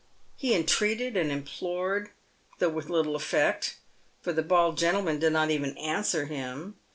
He entreated and implored, though with little effect, for the bald gentleman did not even answer him.